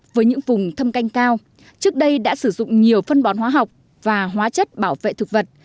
với những vùng thâm canh cao trước đây đã sử dụng nhiều phân bón hóa học và hóa chất bảo vệ thực vật